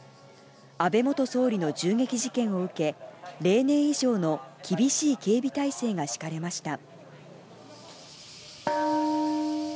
安倍元総理の銃撃事件を受け、例年以上の厳しい警備態勢が敷かれました。